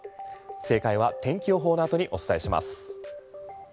正解は天気予報のあとにお伝えします。